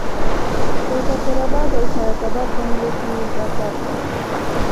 په فقیر اباد او حیات اباد بنګلو کې یې دا کار کاوه.